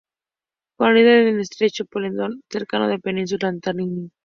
Colinda con el estrecho Pendleton, cercano a la península Antártica.